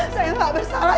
saya gak bersalah